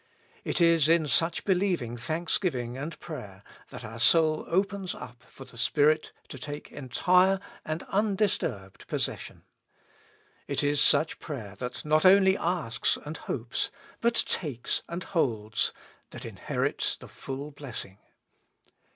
It is in such believing thanksgiving and prayer, that our soul opens up for the Spirit to take entire and undis turbed possession. It is such prayer that not only asks and hopes, but takes and holds, that inherits the full blessing.